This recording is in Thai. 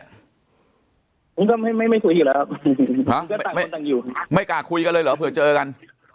ผมก็ไม่ไม่คุยอยู่แล้วครับไม่กล้าคุยกันเลยเหรอเผื่อเจอกัน